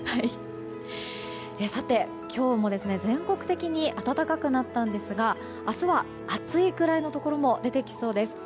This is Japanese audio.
さて、今日も全国的に暖かくなったんですが明日は暑いくらいのところも出てきそうです。